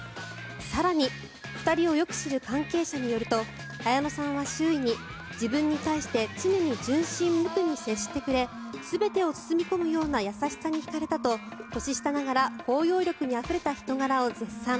更に、２人をよく知る関係者によると綾野さんは周囲に、自分に対して常に純真無垢に接してくれ全てを包み込むような優しさに引かれたと年下ながら包容力にあふれた人柄を絶賛。